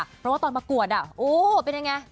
เพราะว่าตอนประกวดโอ้เป็นยังไง